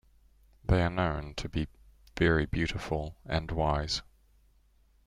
They are known to be very beautiful, and wise.